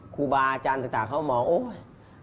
ครูบาอาจารย์ต่างเขามองโอ๊ย